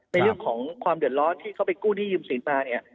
ในเรื่องของความเดือดร้อนที่เขาไปกู้หนี้ยืมสินมาเนี่ย